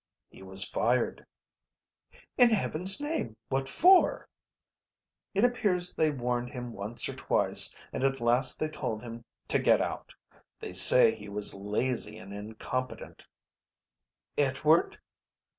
"He was fired." "In heaven's name what for?" "It appears they warned him once or twice, and at last they told him to get out. They say he was lazy and incompetent." "Edward?"